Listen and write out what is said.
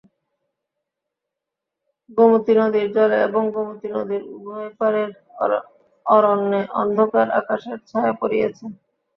গোমতী নদীর জলে এবং গোমতী নদীর উভয় পারের অরণ্যে অন্ধকার আকাশের ছায়া পড়িয়াছে।